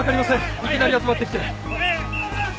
いきなり集まってきて。